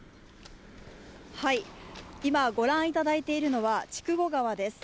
今、ご覧いただいているのは、筑後川です。